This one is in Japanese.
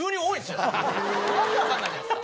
訳分かんないじゃないっすか。